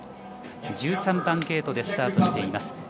１３番ゲートでスタートしています。